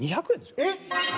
えっ！